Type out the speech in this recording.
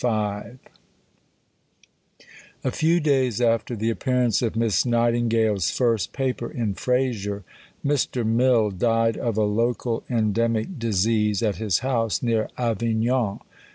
IV A few days after the appearance of Miss Nightingale's first Paper in Fraser, Mr. Mill died of a "local endemic disease" at his house near Avignon.